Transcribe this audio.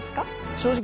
正直。